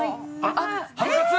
ハムカツ！？